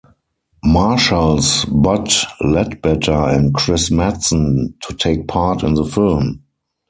Marshals Bud Ledbetter and Chris Madsen to take part in the film.